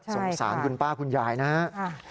สงสารคุณป้าคุณยายนะครับ